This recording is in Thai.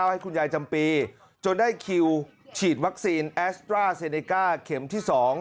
ให้คุณยายจำปีจนได้คิวฉีดวัคซีนแอสตราเซเนก้าเข็มที่๒